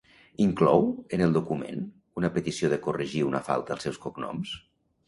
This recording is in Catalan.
Inclou en el document una petició de corregir una falta als seus cognoms?